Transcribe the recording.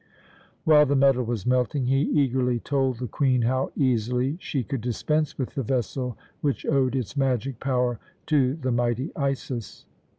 While the metal was melting he eagerly told the Queen how easily she could dispense with the vessel which owed its magic power to the mighty Isis.